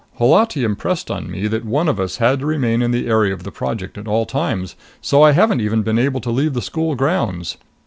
Holati impressed on me that one of us had to remain in the area of the Project at all times, so I haven't even been able to leave the school grounds.